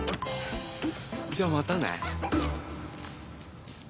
じゃあまたね。